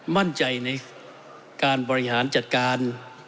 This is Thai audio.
มั่นใจในการบริหารจัดการ